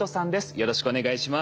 よろしくお願いします。